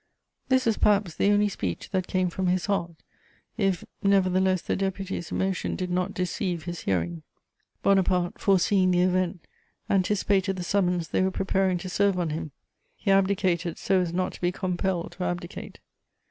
This is perhaps the only speech that came from his heart, if, nevertheless, the deputy's emotion did not deceive his hearing. Bonaparte, foreseeing the event, anticipated the summons they were preparing to serve on him. He abdicated so as not to be compelled to abdicate.